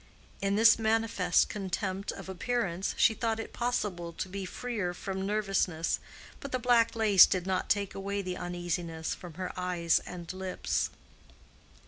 In this manifest contempt of appearance, she thought it possible to be freer from nervousness, but the black lace did not take away the uneasiness from her eyes and lips.